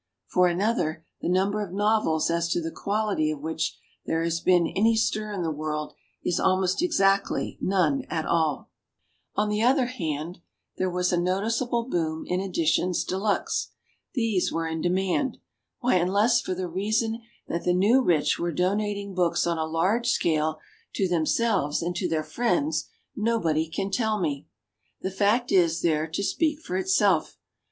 For another, the number of novels as to the quality of which there has been any stir in the world, is almost exactly none at all. «««« On the other hand there was a no ticeable boom in editions de luxe. These were in demand. Why, unless for the reason that the new rich were donating books on a large scale to themselves and to their friends, no body can tell me. The fact is there to speak for itself.